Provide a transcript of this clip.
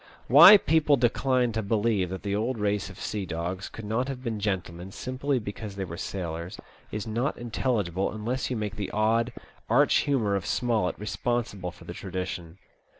Why people decline to believe that the old race of sea dogs could not have been gentlemen, simply because they were sailors, is not intelligible unless you make the odd, arch humour of Smollett responsible for the tradition.